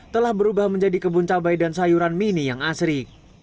telah berubah menjadi kebun cabai dan sayuran mini yang asri